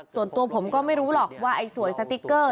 ส่วนตัวผมก็ไม่รู้หรอกว่าไอ้สวยสติ๊กเกอร์